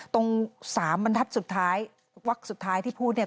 ตรงสามบรรทัศน์สุดท้ายวักสุดท้ายที่พูดเนี่ย